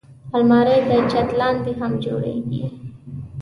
الماري د چت لاندې هم جوړېږي